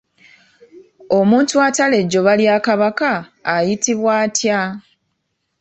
Omuntu atala ejjoba lya Kabaka ayitibwa atya?